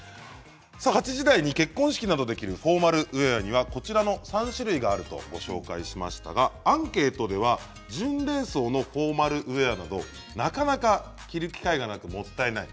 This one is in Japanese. ８時台に結婚式などで着るフォーマルウェアにはこちらの３種類があるとご紹介しましたがアンケートでは準礼装のフォーマルウェアなどなかなか着る機会がなくもったいない。